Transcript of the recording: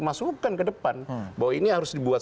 masukan ke depan bahwa ini harus dibuat